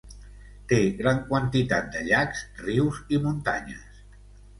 Té gran quantitat de llacs, rius i muntanyes.